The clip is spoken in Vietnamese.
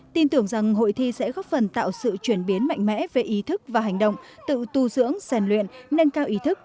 tin tưởng rằng hội thi sẽ góp phần tạo sự chuyển biến mạnh mẽ về ý thức và hành động tự tu dưỡng rèn luyện nâng cao ý thức